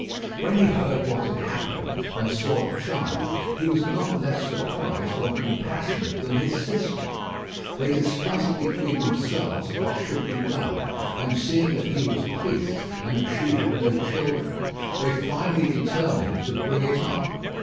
When he heard what had happened and saw the child he was not less surprised or compassionate than his sister. They discussed between themselves what should be done, and seeing that he was priest and that she had no children, they finally determined to bring it up.